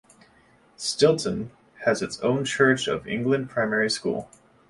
Stilton has its own Church of England primary school.